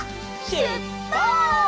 しゅっぱつ！